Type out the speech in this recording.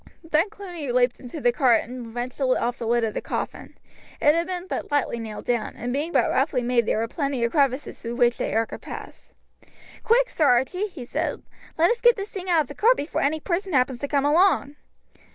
Then Cluny leapt into the cart and wrenched off the lid of the coffin. It had been but lightly nailed down, and being but roughly made there were plenty of crevices through which the air could pass. "Quick, Sir Archie!" he said, "let us get this thing out of the cart before any person happen to come along."